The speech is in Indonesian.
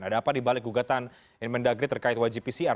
ada apa dibalik gugatan inmendagri terkait wajib pcr